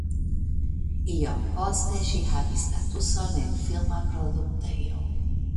Iom poste ŝi havis statuson en filma produktejo.